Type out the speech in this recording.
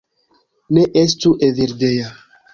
Ne estu Evildea